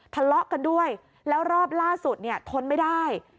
ทะเลาะกันด้วยแล้วรอบล่าสุดเนี่ยทนไม่ได้